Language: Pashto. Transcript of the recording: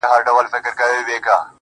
زه وايم دا.